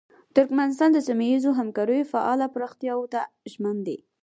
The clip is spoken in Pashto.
ترکمنستان د سیمه ییزو همکاریو فعاله پراختیاوو ته ژمن دی.